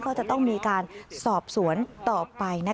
ก็จะต้องมีการสอบสวนต่อไป